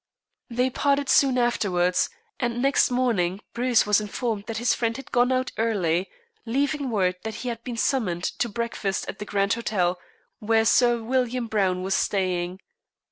They parted soon afterwards, and next morning Bruce was informed that his friend had gone out early, leaving word that he had been summoned to breakfast at the Grand Hotel, where Sir William Browne was staying.